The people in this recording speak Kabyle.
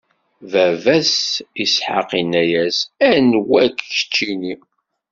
Baba-s Isḥaq inna-yas: Anwa-k, keččini?